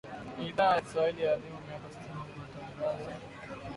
Idhaa ya Kiswahili yaadhimisha miaka sitini ya Matangazo